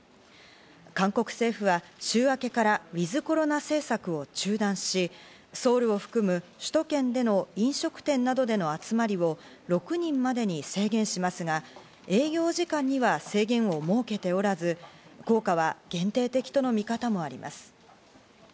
韓国政府は週明けからウィズコロナ政策を中断し、ソウルを含む首都圏での飲食店などでの集まりを６人までに制限しますが、営業時間には制限を設けておらず、効果は限定的との見方もあります。